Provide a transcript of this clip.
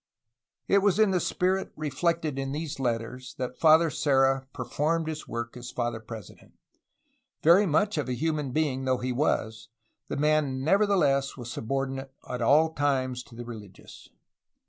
It was in the spirit reflected in these letters that Father Serra performed his work as Father President. Very much of a human being though he was, the man nevertheless was subordinate at all times to the religious.